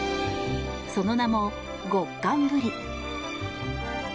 その名も極寒ブリ。